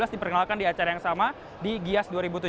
diperkenalkan di acara yang sama di gias dua ribu tujuh belas